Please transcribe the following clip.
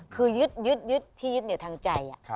คือยึดที่ยึดแต่ทางใจ